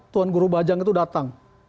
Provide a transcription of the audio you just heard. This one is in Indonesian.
tuan guru bajang itu datang